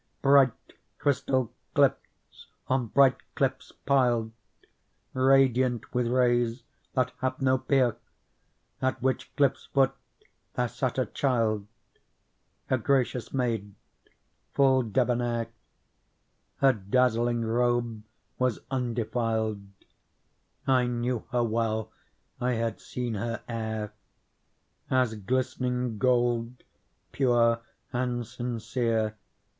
Bright crystal cliffs on bright cliffs piled. Radiant with rays that have no peer : At which cliff's foot there sat a child, A gracious maid, full debonnair : Her dazzling robe was undefiled ; I knew her well, I had seen her ere. As glistening gold, pure and sincere.